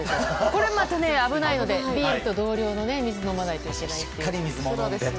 これもまた危ないのでビールの同量の水を飲まないといけないですね。